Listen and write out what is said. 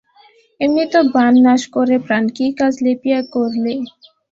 এমনি তো বাণ নাশ করে প্রাণ, কী কাজ লেপিয়া গরলে?